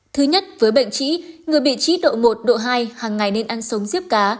thứ nhất với bệnh trĩ người bị trĩ độ một độ hai hằng ngày nên ăn sống diếp cá